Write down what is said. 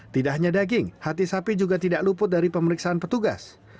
tidak hanya daging hati sapi juga tidak luput dari pemeriksaan petugas